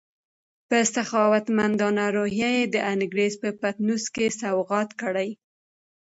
په سخاوتمندانه روحیه یې د انګریز په پطنوس کې سوغات کړې.